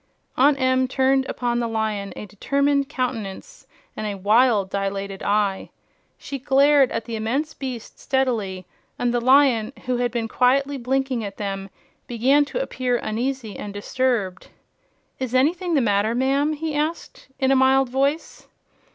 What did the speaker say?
Aunt Em turned upon the Lion a determined countenance and a wild dilated eye. She glared at the immense beast steadily, and the Lion, who had been quietly blinking at them, began to appear uneasy and disturbed. "Is anything the matter, ma'am?" he asked, in a mild voice.